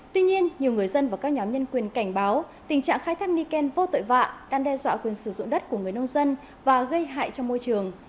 tuy nhiên nhiều người dân và các nhóm nhân quyền cảnh báo tình trạng khai thác niken vô tội vạ đang đe dọa quyền sử dụng đất của người nông dân và gây hại cho môi trường